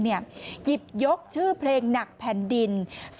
หยิบยกชื่อเพลงหนักแผ่นดิน